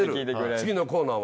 次のコーナーは。